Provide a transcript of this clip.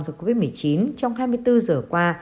dịch covid một mươi chín trong hai mươi bốn giờ qua